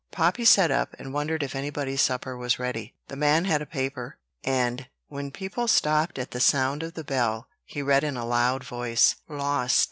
Poppy sat up, and wondered if anybody's supper was ready. The man had a paper; and, when people stopped at the sound of the bell, he read in a loud voice: "Lost!